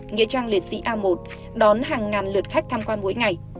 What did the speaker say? nghĩa trang liệt sĩ a một đón hàng ngàn lượt khách tham quan mỗi ngày